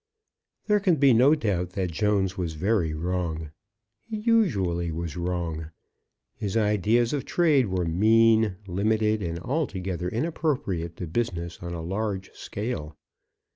There can be no doubt that Jones was very wrong. He usually was wrong. His ideas of trade were mean, limited, and altogether inappropriate to business on a large scale.